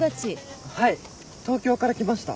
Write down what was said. はい東京から来ました。